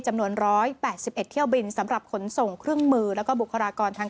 จำนวน๑๘๑เที่ยวบินสำหรับขนส่งเครื่องมือแล้วก็บุคลากรทาง